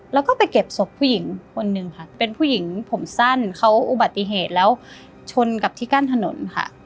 แล้วก็ไปเก็บศพผู้หญิงคนหนึ่งค่ะเป็นผู้หญิงผมสั้นเขาอุบัติเหตุแล้วชนกับที่กั้นถนนค่ะ